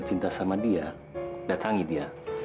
tolong jaga keselamatan adit